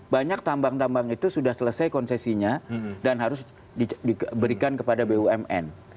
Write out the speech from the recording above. banyak tambang tambang itu sudah selesai konsesinya dan harus diberikan kepada bumn